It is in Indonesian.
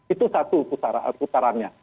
itu satu putarannya